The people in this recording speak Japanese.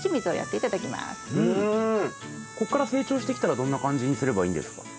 こっから成長してきたらどんな感じにすればいいんですか？